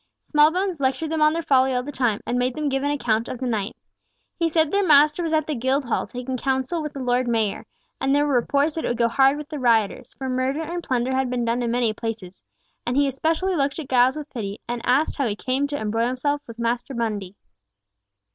Smallbones lectured them on their folly all the time, and made them give an account of the night. He said their master was at the Guildhall taking counsel with the Lord Mayor, and there were reports that it would go hard with the rioters, for murder and plunder had been done in many places, and he especially looked at Giles with pity, and asked how he came to embroil himself with Master Mundy?